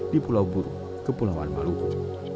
di pulau burung kepulauan maluku